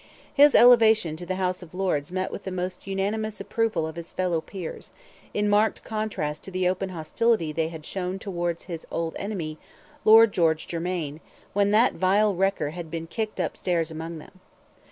His elevation to the House of Lords met with the almost unanimous approval of his fellow peers, in marked contrast to the open hostility they had shown towards his old enemy, Lord George Germain, when that vile wrecker had been 'kicked upstairs' among them.